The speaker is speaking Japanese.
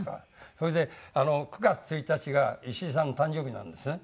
それで９月１日が石井さんの誕生日なんですね。